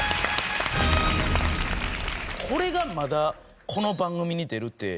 これがまだこの番組に出るって。